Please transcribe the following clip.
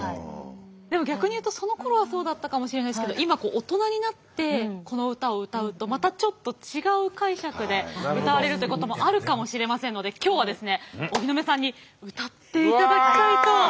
でも逆に言うとそのころはそうだったかもしれないですけど今大人になってこの歌を歌うとまたちょっと違う解釈で歌われるということもあるかもしれませんのでいいですか？